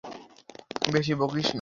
বেশি বকিস না।